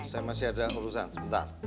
saya masih ada urusan sebentar